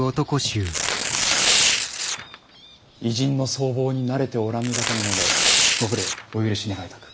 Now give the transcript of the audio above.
異人の相貌に慣れておらぬだけなのでご無礼お許し願いたく。